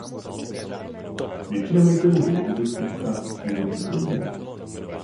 Většina majitelů nemovitostí pochází z původních rodin.